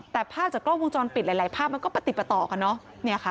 แต่ภาพจากกล้องวงจรปิดหลายภาพมันก็ติดต่อกันเนอะนี่ค่ะ